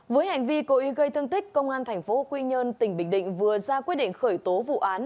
với hành vi cố ý gây thương tích công an tp quy nhơn tỉnh bình định vừa ra quyết định khởi tố vụ án